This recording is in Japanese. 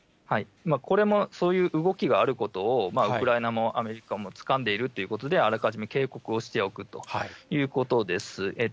これも、そういう動きがあることをウクライナも、アメリカもつかんでいるということで、あらかじめ警告をしておくということです。